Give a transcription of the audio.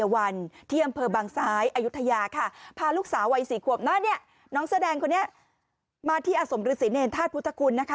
วันนี้มาที่อสมรูศิเน่นท่านพุทธคุณนะคะ